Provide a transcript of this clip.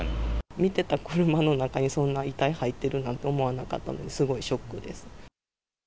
見てた車の中にそんな遺体入ってるなんて思わなかったので、すごいショックです。